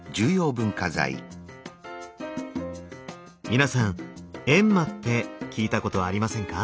皆さん閻魔って聞いたことありませんか？